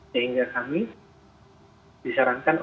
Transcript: sehingga kami disarankan